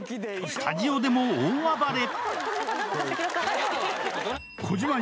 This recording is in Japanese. スタジオでも大暴れ。